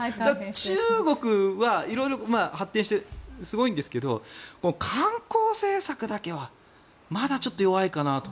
中国は色々発展してすごいんですが観光政策だけはまだちょっと弱いかなと。